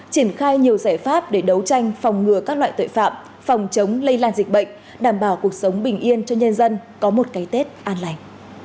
triển khai nhiều giải pháp để đấu tranh phòng ngừa các loại tội phạm phòng chống lây lan dịch bệnh đảm bảo cuộc sống bình yên cho nhân dân có một cái tết an lành